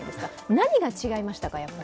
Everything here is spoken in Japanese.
何が違いましたか？